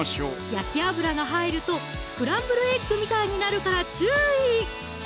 焼き油が入るとスクランブルエッグみたいになるから注意！